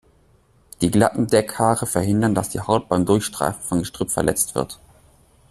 Die glatten Deckhaare verhindern, dass die Haut beim Durchstreifen von Gestrüpp verletzt wird.